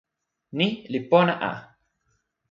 ni li pona a.